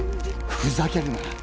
ふざけるな。